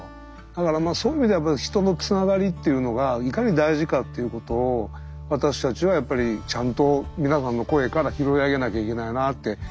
だからそういう意味では人のつながりっていうのがいかに大事かっていうことを私たちはやっぱりちゃんと皆さんの声から拾い上げなきゃいけないなって。